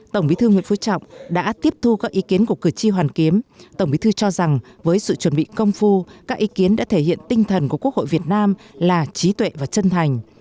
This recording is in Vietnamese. tổng bí thư nguyễn phú trọng đã tiếp thu các ý kiến của cử tri hoàn kiếm tổng bí thư cho rằng với sự chuẩn bị công phu các ý kiến đã thể hiện tinh thần của quốc hội việt nam là trí tuệ và chân thành